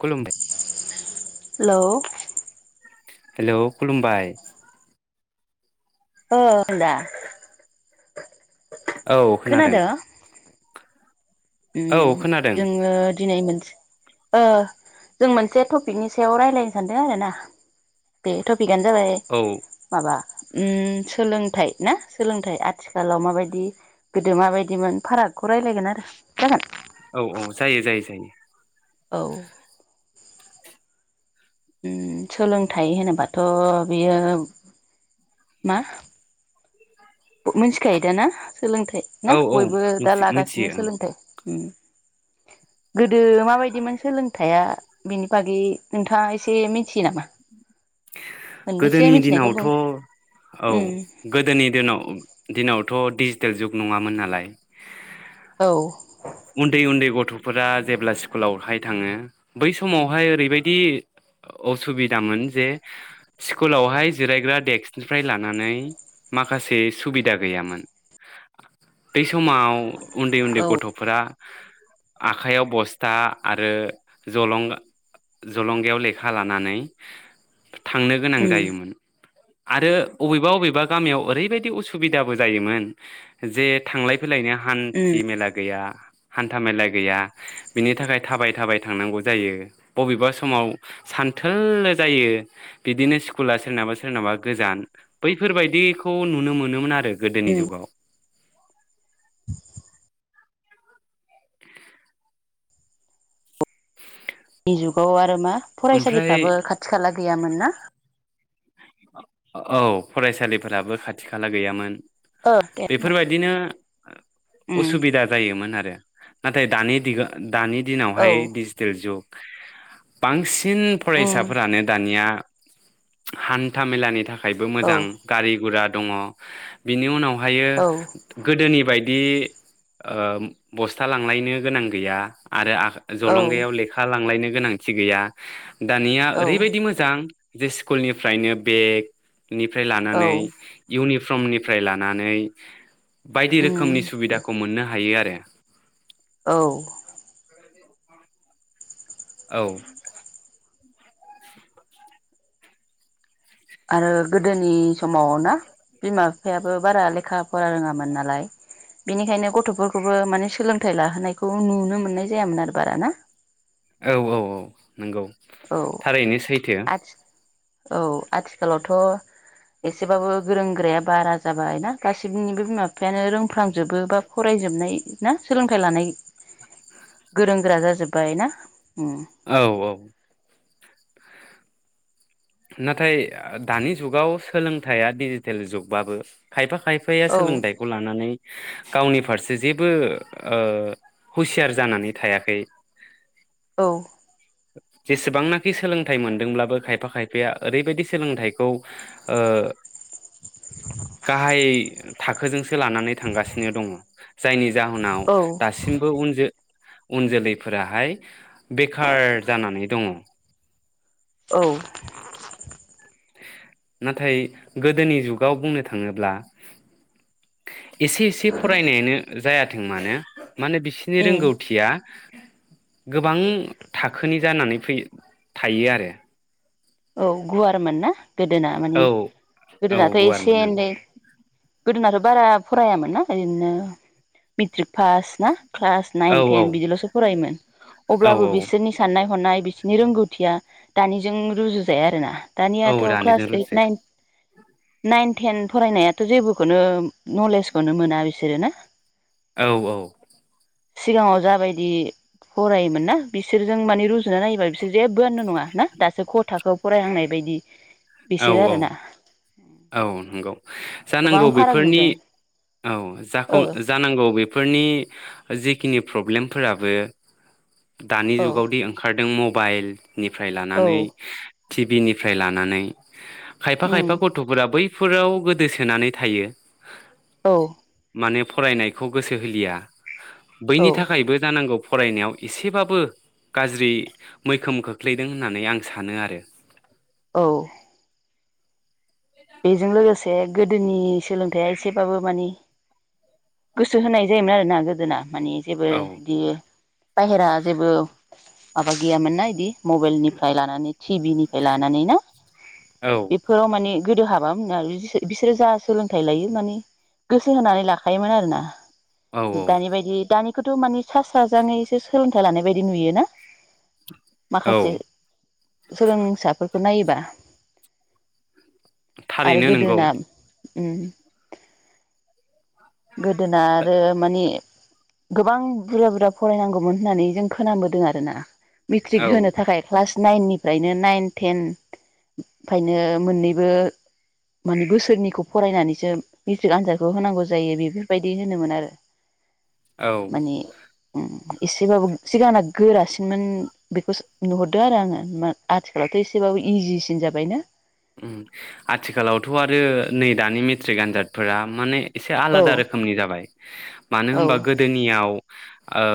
खुलुमबाय hello hello खुलुमबाय औ [unintelligible] औ खोनादों औ ओम- खोनादों जोङो दिनै मोनसे ओ जों मोनसे टपिकनि सायाव रायलायनो सानदों आरो ना बे तपिकआनो जाबाय औ माबा ओम- सोलोंथाइ ना सोलोंथाइ आथिखालाव माबायदि गोदो माबायदिमोन फारागखौ रायलायगोन आरो जागोन। औ औ जायो जायो जायो। औ। सोलोंथाइ होनोबाथ' बियो मा? मोन्थिखायोदा ना? सोलोंथाइ ना औ औ बयबो दा मिथि मिथियो लागासिनो ओं सोलोंथाइ उम गोदो माबायदिमोन सोलोंथाइया बेनि बागै नोंथाङा एसे मिथियो नामा? मोननैसो गोदोनि मिथिनायखौ दिनावथ' बुं औ उम गोदोनि दिनाव दिनावथ' डिजिटेल जुग नङामोन नालाय औ उन्दै उन्दै गथ' फोरा जेब्ला स्कुलावहाय थाङो बै समावहाय ओरैबायदि असुबिदामोन जे स्कुलावहाय जिरायग्रा डेक्सनिफ्राय लानानै माखासे सुबिदा गैयामोन बे समाव उन्दै उन्दै गथ'फोरा आखाइयाव बस्था आरो जलंगा जलंगायाव लेखा लानानै थांनो गोनां उम जायोमोन। आरो अबेबा अबेबा गामियाव ओरैबायदि उसुबिदाबो जायोमोन जे थांलाय फैलायनो उम हान्थि मेला गैया। हान्था मेला गैया बिनि थाखाय थाबाय थाबाय थांनांगौ जायो बबेबा समाव सानथोलाय जायो। बिदिनो स्कुला सोरनाबा सोरनाबा गोजान बैफोरबायदिखौ नुनो मोनोमोन आरो। गोदोनि उम जुगाव। नि जुगाव आरो मा ओमफ्राय फरायसालिफ्राबो खाथि खाला गैयामोन ना? औ फरायसालिफोराबो खाथि खाला गैयामोन। ओ दे दे बेफोरबायदिनो उम उसुबिदा जायोमोन आरो। नाथाय दानि दिगा दानि औ दिनावहाय डिजिटेल जुग बांसि सिन उम फरायसाफोरानो दानिया हान्था मेलानि फ्रायबो औ मोजां गारि गुरा दङ बिनि उनाव हायो औ गोदोनि बाय दि ओ बस्था लांलायनो गोनां गैया आरो आ औ जलंगायाव लेखा लांलायनो गोनांथि गैया। दानिया औ ओरैबायदि मोजां जे स्कुलनिफ्रायनो बेग निफ्राय औ लानानै इउनि फ्रमनिफ्राय लानानै बायदि रोखोमनि उम सुबिदाखौ मोननो हायो आरो। [unintelligible] औ। औ। आरो गोदोनि समाव ना बिमा बिफायाबो बारा लेखा फरा रोङामोन नालाय बेनिखायनो गथ'फोरखौबो माने सोलोंथाइ लाहोनायखौ नुनो मोननाय जायामोन आरो बारा ना। औ औ औ। नंगौ औ थारैनो सैथो। आथि औ आथिखालावथ' एसेबाबो गोरों गोराया बारा जाबाय ना गासैनिबो बिमा बिफायानो रोंफ्रांजोबो बा फरायजोबनाय ना सोलोंथाइ लानाय गोरों गोरा जाजोब्बाय ना। उम औ औ। नाथाय दानि जुगाव सोलोंथाइया डिजिटेल जुगबाबो खायफा खाय खायफाया औ सोलोंथाइखौ लानानै गावनि फारसे जेबो हुसियार ओ जानानै थायाखै। औ। जेसेबांनाखि सोलोंथाइ मोनदोंब्लाबो खायफा खायफाया ओरैबायदि सोलोंथाइखौ ओ गाहाय थाखोजों लानानै थांगासिनो दङ' जायनि जाहोनाव औ दासिमबो उन उन जोलैफोराहाय बेखार जानानै दङ'। औ। नाथाय गोदोनि जुगाव बुंनो थाङोब्ला एसे एसे फरायनायानो जायाथों मानो माने बिसोरनि उम रोंगौथिया गोबां थाखोनि जानानै फै थायो आरो। औ गुवारमोन ना। गोदोना मानि औ औ गोदोनाथ' एसे गुवारमोन एनै गोदोनाथ' बारा फरायामोन ना ओरैनो मेट्रिक पास ना क्लास नाइन ओं औ थेन बिदिल'सो फरायोमोन औ अब्लाबो औ बिसोरनि साननाय हनाय नि रोंगौथिया दानिजों रुजु जाया आरोना। दानियाथ' औ क्लास रानिजों ओइट रुजुजाया नाइन नाइन टेन फरायनायाथ' जेबोखौनो नलेजखौनो मोना बिसोरो ना? औ औ सिगाङाव जाबायदि फरायोमोन ना बिसोरजों माने रुजुना नायोबा बिसोर जेबोआनो नङा ना दासो ख' थाखोयाव फरायहांनाय बायदि। औ बिसोरो औ आरोना औ नंगौ गोबां जानांगौ फाराग बेफोरनि नुदों औ जाखौ ओ जानांगौ बेफोरनि जि खिनि प्रब्लेमफोराबो दानि औ जुगावदि ओंखारदों म बाइल निफ्राय औ लानानै टिभि निफ्राय लानानै खायफा उम खायफा गथ'फोरा बै फोराव गोदोसोनानै थायो। औ माने फरायनायखौ गोसो होलिया। बैनि औ थाखायबो जानांगौ फरायनायाव एसेबाबो गाज्रि मैखोम खोख्लैदों होननानै आं सानो आरो। औ बेजों लोगोसे गोदोनि सोलोंथाइया एसेबाबो मानि गोसो होनाय जायोमोन आरोना गोदोना। मानि जेबो औ बिदि बायहेरा जेबो माबा गैयामोनना इदि मबाइलनिफ्राय लानानै टिभि निफ्राय लानानै ना औ बेफोराव माने गोदो हाबामोन आरो बि बिसोरो जा सोलोंथाइ लायो माने गोसो होनानै लाखायोमोन आरोना। औ औ दानि बायदि दानि खौथ' माने सा स्राजाङैसो सोलोंथाइ लानाय बायदि नुयोना। माखासे औ सोलोंसाफोरखौ नायोबा आरो थारैनो नंगौ गोदोना उम गोदोना आरो मानि गोबां बुरजा बुरजा फरायनांगौमोन होननानै जों खोनाबोदों आरो ना। मेट्रिक औ होनो थाखाय क्लास नाइन निफ्रायनो नाइन टेनफायनो मोननै बोमोन बोसोरनखौ फरायनानैसो मेट्रिक आनजादखौ होनांगौ जायो बेफोरबायदि होनोमोन आरो। औ माने एसेबाबो सिगांना गोरासिनमोन बेखौ नुहरदों आरो आङो आथिखालावथ' एसेबाबो इजिसिन जाबायना। ओम आथिखालावथ' आरो नै दानि मेट्रिक आनजादफोरा माने। एसे औ आलादा रोखोमनि जाबाय मानो औ होनबा गोदोनियाव ओ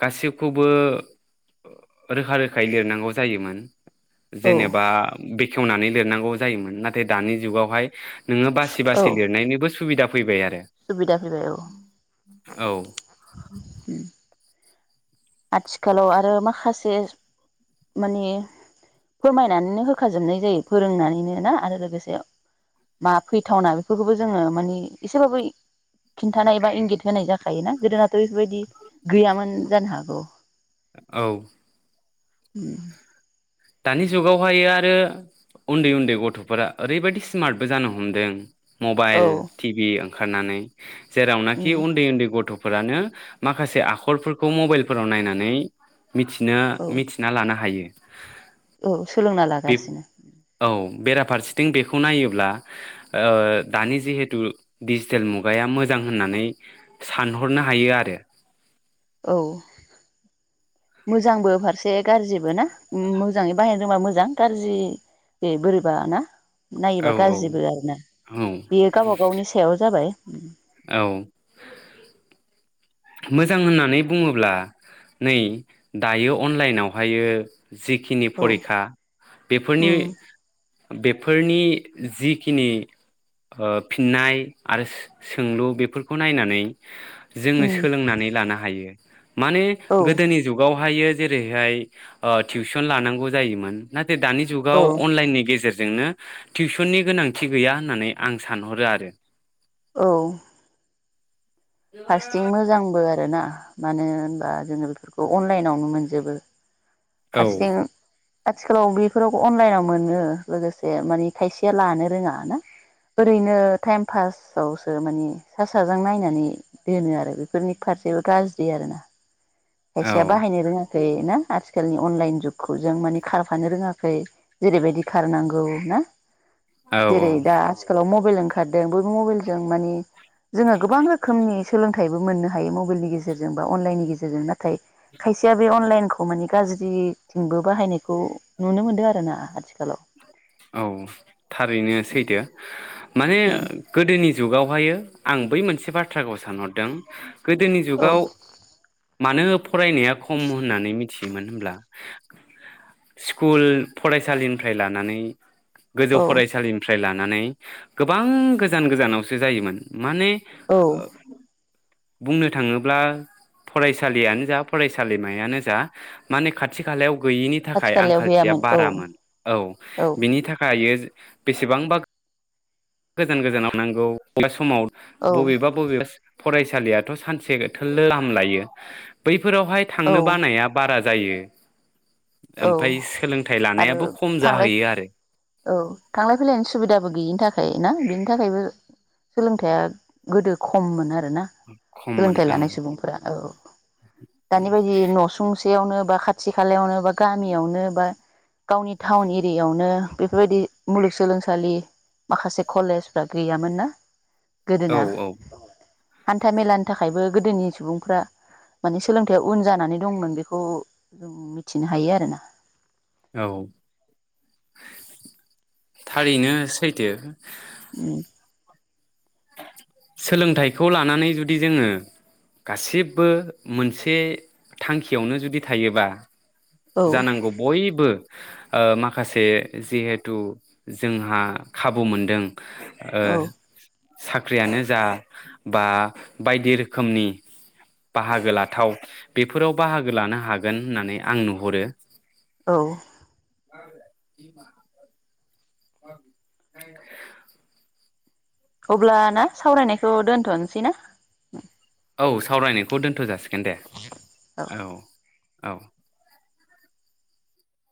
गासैखौबो रोखा रोखायै लिरनांगौ जायोमोन। औ जेनेबा बेखेवनानै लिरनांगौ जायोमोन नाथाय दानि जुगावहाय नोङो बासि औ बासि लिरनायनिबो सुबिदा फैबाय आ सुबिदा फैबाय औ उम। औ आथिखालाव आरो माखासे माने फोरमायनानैनो होखाजोबनाय जायो फोरोंनानैनो ना आरो लोगोसे मा फैथावना बेफोरखौबो जोङो माने एसेबाबो खिन्थानाय बा इंगित होनाय जाखायोना गोदोनाथ' बेफोरबायदि गैयामोन जानो हा गौ। औ। उम। दानि जुगावहाय आरो उन्दै उन्दै गथ'फोरा ओरैबायदि स्मार्टबो जानो हमदों। औ मबाइल, टि भि ओंखारनानै उम जेरावनाखि उन्दै उन्दै गथ' फोरानो माखासे आखलफोरखौ मबाइलफोराव नायनानै मिथिना औ मिथिना लानो हायो। [inaudible] औ सोलोंना लागासिनो बेरा फारसेथिं बेखौ नायोब्ला ओ दानि जिहेतु बिसोर मुगाया मोजां होननानै साननो हायो आरो औ मोजांबो फारसे गाज्रिबो ना मोजाङै बाहायनो रोंबा मोजां गाज्रियै बोरैबा ना औ नायोबा गाज्रिबो आरो ना औ बेयो गावबा गावनि सायाव जाबाय। उम। औ। मोजां होननानै बुङोब्ला नै दायो अनलाइनावहायो जिखिनि औ परिक्षा बेफोरनि उम बेफोरनि जिखिनि ओ फिननाय आरो सोंलु बेफोरखौ नायनानै जोङो उम सों नानै लानो हायो। माने औ गोदोनि जुगाव बेवहायो जेरैहाय ओ थिउसन लानांगौ जायोमोन ना दानि औ जुगाव अनलाइननि गेजेर जोंनो टिउसननि गोनांथि गैया होननानै आं सानहरो आरो औ। फारसेथिं मोजांबो आरोना मानो होनबा जोङो बेफोरखौ अनलाइनावनो मोनजोबो। औ फार्सेथि आथिखालाव बेफोराव अनलाइनाव मोनो लोगोसे मानि खायसेया लानो रोङा ना ओरैनो टाइम पासावसो मानि सा साज्रां नायनानै दोनो आरो बेफोरनि फारसेबो गाज्रि आरोना औ खायसेया बाहायनो रोङाखै ना आथिखालनि अनलाइन जुगखौ जों माने खारफानो रोङाखै जेरैबायदि खारनांगौ ना औ जेरै दा आथिखालाव मब बेल ओंखारदों बयबो मबेलजों मानि जोङो गोबां रोखोमनि सोलोंथाइबो मोननो हायो मबेइलनि गेजेरजों बा अनलाइननि गेजेरजों ना थाय खायसेया बे अनलाइनखौ माने गाज्रि थिंबो बाहायनायखौ नुनो मोनदों आरो ना आथिखालाव औ थारैनो सैथो। माने उम गोदोनि। जुगावहायो आं बै मोनसे बाथ्राखौ सानहरदों। गोदोनि औ जुगाव। मानो फरायनाया खम होननानै मिथियोमोन होनब्ला स्कुल फरायसालि फ्राय लानानै गोजौ औ फरायसालिनिफ्राय लान - नानै गोबां गोजान गोजानावसो जायोमोन माने औ ओ बुंनो थाङोब्ला फरायसालियानो जा फरायसालिमायानो जा माने खाथि खालायाव गैयिनि खाथि थाखाय खालायाव आंखालथिया गैयामोन औ बारामोन औ बिनि थाखा खायोज बेसेबांबा गोजान गोजानाव नांगौ अबा समाव औ बबेबा बबेबास फरायसालियाथ' सानसे थोललो गाम लायो बै फोरावहाय औ थांनो बानाया बाराज जायो औ ओमफ्राय सोलोंथाइ आरो लानायाबो खम थांलाय जाहैयो आरो औ थांलाय फैलायनि सुबिदाबो गैयिनि थाखाय ना बेनि थाखायबो सोलोंथाइया गोदो खममोन आद रोना खममोन सोलोंथाइ लानाय औ सुबुंफोरा औ दानि बायदि न'सुंसे यावनो बा खाथि खालायावनो बा गामियावनो बा गावनि टाउन एरियायावनो बेफोरबायदि मुलुगसोलोंसालि माखासे कलेजफ्रा गैयामोन ना औ गोदोना औ हान्था मेलानि थाखायबो गोदोनि सुबुंफ्रा माने सोलोंथाइया उन जानानै दंमोन बेखौ ओं मिथि इनो हायो आरो ना औ थारैनो सैथो उम सोलोंथाइखौ लानानै जुदि जोङो गासिबो मोनसे थांखियावनो जुदि थायोबा औ जानांगौ बयबो ओ माखासे जिहेथु जोंहा खाबु मोनदों ओ औ साख्रियानो जा बा बायदि रोखोमनि बाहागो लाथाव बेफोराव बाहागो लानो हागोन होननानै आं नुहरो। औ [unintelligible] [unintelligible] अब्ला ना सावरायनायखौ दोनथ'नोसै ना उम औ सावरायनायखौ दोनथ'जासै गोनदे औ औ